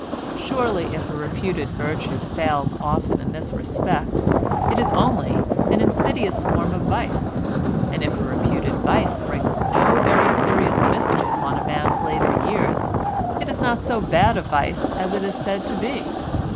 Surely if a reputed virtue fails often in this respect it is only an insidious form of vice, and if a reputed vice brings no very serious mischief on a man's later years it is not so bad a vice as it is said to be.